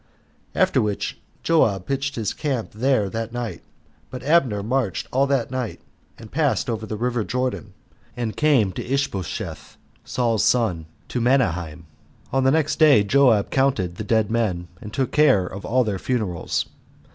After which Joab pitched his camp there that night; but Abner marched all that night, and passed over the river Jordan, and came to Ishbosheth, Saul's son, to Mahanaim. On the next day Joab counted the dead men, and took care of all their funerals.